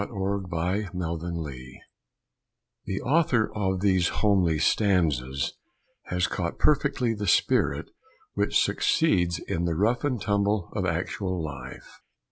_ KEEP ON KEEPIN' ON The author of these homely stanzas has caught perfectly the spirit which succeeds in the rough and tumble of actual life.